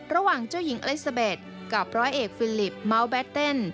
ระหว่างเจ้าหญิงเอซาเบ็ดกับร้อยเอกฟิลิปเมาส์แดดเต้น